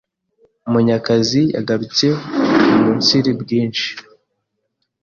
Munyakazi yagarutse umunsiri byinshi